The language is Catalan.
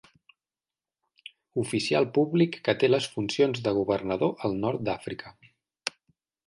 Oficial públic que té les funcions de governador al nord d'Àfrica.